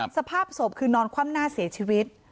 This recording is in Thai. สภาพศพคือนอนคว่ำหน้าเสียชีวิต